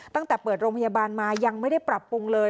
ตั้งแต่เปิดโรงพยาบาลมายังไม่ได้ปรับปรุงเลย